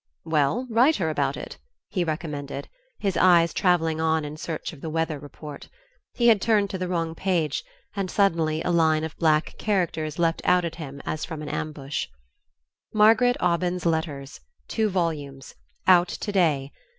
"Well, write her about it," he recommended, his eyes travelling on in search of the weather report. He had turned to the wrong page; and suddenly a line of black characters leapt out at him as from an ambush. "'Margaret Aubyn's Letters.' Two volumes. Out to day.